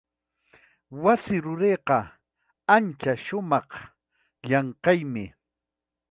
Wasi rurayqa, ancha sumaq llamkaymi.